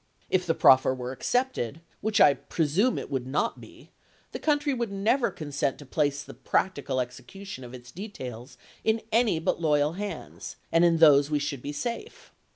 If the proffer were accepted (which I presume it would not be), the country would never consent to place the practical execution of its details in any but loyal hands, and in those we should be safe.